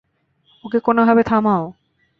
ওকে কোনোভাবে থামাও।